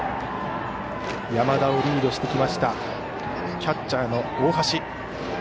山田をリードしてきたキャッチャーの大橋。